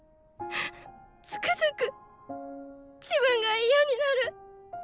つくづく自分が嫌になる。